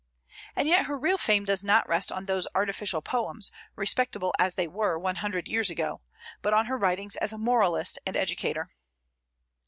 And yet her real fame does not rest on those artificial poems, respectable as they were one hundred years ago, but on her writings as a moralist and educator.